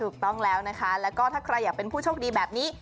ถูกต้องแล้วนะคะแล้วก็ถ้าใครอยากเป็นผู้โชคดีแบบนี้